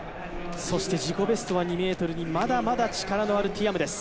自己ベストは２ｍに、まだまだ力のあるティアムです。